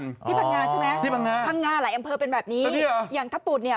ที่พังงาใช่ไหมที่พังงาพังงาหลายอำเภอเป็นแบบนี้อย่างทะปุ่นเนี่ย